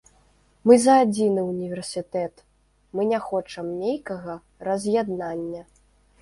Мы за адзіны ўніверсітэт, мы не хочам нейкага раз'яднання.